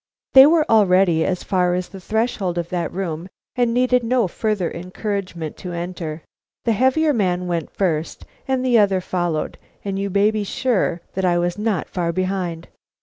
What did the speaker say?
They were already as far as the threshold of that room and needed no further encouragement to enter. The heavier man went first and the other followed, and you may be sure I was not far behind.